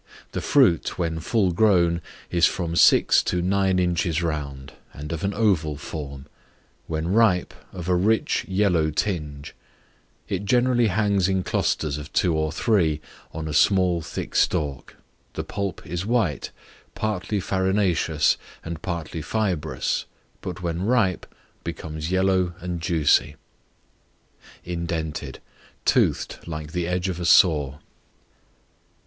The fruit, when full grown, is from six to nine inches round, and of an oval form when ripe, of a rich, yellow tinge; it generally hangs in clusters of two or three, on a small thick stalk; the pulp is white, partly farinaceous, and partly fibrous, but when ripe, becomes yellow and juicy. Indented, toothed like the edge of a saw.